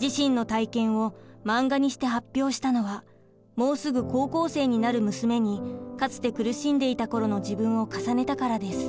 自身の体験を漫画にして発表したのはもうすぐ高校生になる娘にかつて苦しんでいた頃の自分を重ねたからです。